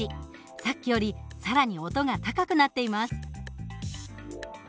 さっきより更に音が高くなっています。